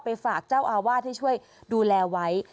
ฝากเจ้าอาวาสให้ช่วยดูแลไว้